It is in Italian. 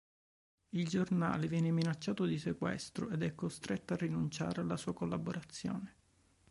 Il giornale viene minacciato di sequestro ed è costretto a rinunciare alla sua collaborazione.